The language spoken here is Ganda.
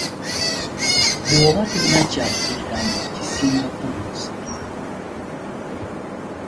Bw’oba tolina ky’akuddamu kisingako n’osirika.